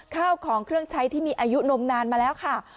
ข้าวของเครื่องใช้ที่มีอายุนมนานมาแล้วค่ะ